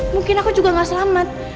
mungkin aku juga gak selamat